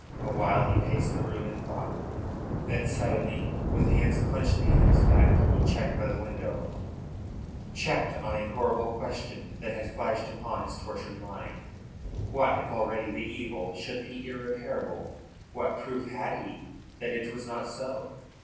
Awhile he paced the room in thought. Then, suddenly, with hands clenched behind his back, he checked by the window, checked on a horrible question that had flashed upon his tortured mind. What if already the evil should be irreparable? What proof had he that it was not so?